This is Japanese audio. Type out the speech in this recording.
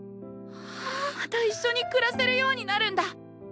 またいっしょに暮らせるようになるんだ！